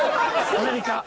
「アメリカ」。